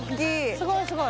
すごいすごい。